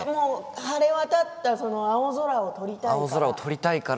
晴れ渡った青空を撮りたいから。